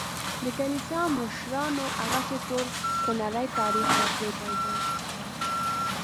د کلیسا مشرانو هغسې تور خونړی تاریخ راپرېښی دی.